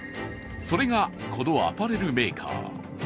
それが、このアパレルメーカー。